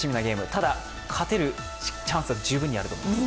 ただ、勝てるチャンスは十分にあると思います。